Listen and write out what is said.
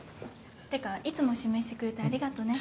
ってかいつも指名してくれてありがとね。